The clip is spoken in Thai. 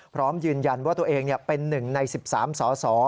พร้อมยืนยันว่าตัวเองเป็น๑ใน๑๓สส